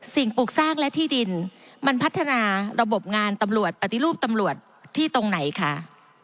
ปลูกสร้างและที่ดินมันพัฒนาระบบงานตำรวจปฏิรูปตำรวจที่ตรงไหนคะ